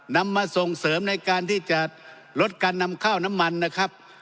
นำมาส่งเสริมในการที่จะลดการนำข้าวน้ำมันนะครับ